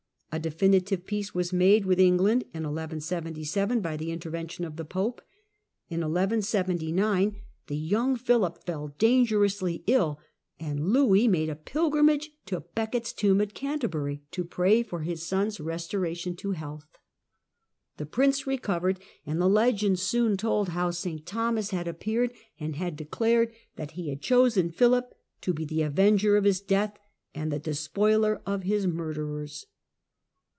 A definitive peace was made with England in 1177 by the intervention of the Pope. In 1179 the young Philip fell dangerously ill, and Louis made a pilgrimage to Becket's tomb at Canterbury to pray for his son's restoration to health. The prince recovered, and legend soon told how St Thomas had appeared and had declared that he had chosen Philip to be the avenger of his death and the despoiler of his murderers.